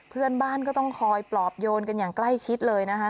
เพื่อนบ้านก็ต้องคอยปลอบโยนกันอย่างใกล้ชิดเลยนะคะ